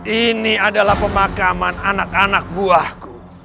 ini adalah pemakaman anak anak buahku